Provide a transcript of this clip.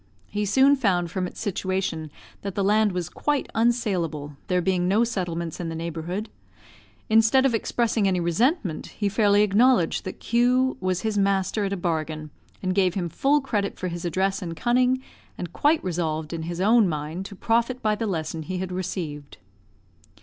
He soon found from its situation that the land was quite unsaleable, there being no settlements in the neighbourhood. Instead of expressing any resentment, he fairly acknowledged that Q was his master at a bargain, and gave him full credit for his address and cunning, and quite resolved in his own mind to profit by the lesson he had received.